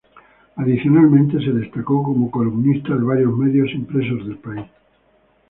Adicionalmente, se destacó como columnista de varios medios impresos del país.